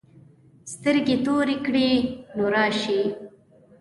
سترګې تورې کړې نو راشې.